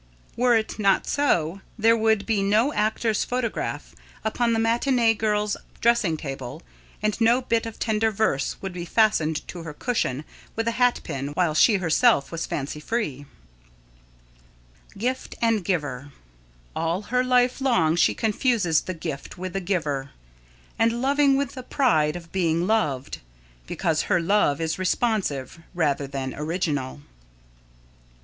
Were it not so, there would be no actor's photograph upon the matinée girl's dressing table, and no bit of tender verse would be fastened to her cushion with a hat pin, while she herself was fancy free. [Sidenote: Gift and Giver] All her life long she confuses the gift with the giver, and loving with the pride of being loved, because her love is responsive rather than original.